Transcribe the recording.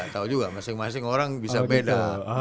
tahu juga masing masing orang bisa beda